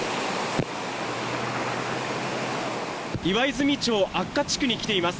岩泉町安家地区に来ています。